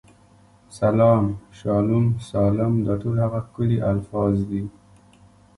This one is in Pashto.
سلام، شالوم، سالم، دا ټول هغه ښکلي الفاظ دي.